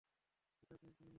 একা কেন, সোনামণি?